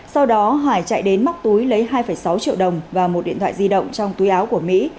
sau đó hải chạy đến móc túi lấy hai sáu triệu đồng và một điện thoại di động trong túi áo của mỹ